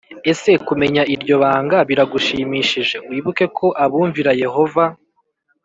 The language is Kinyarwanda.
Ese kumenya iryo banga biragushimishije Wibuke ko abumvira Yehova